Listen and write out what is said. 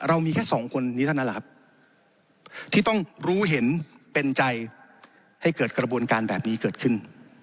เรามีแค่สองคนที่ต้องรู้เห็นเป็นใจให้เกิดกระบวนการแบบนี้เกิดขึ้น